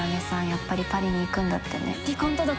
やっぱりパリに行くんだってね。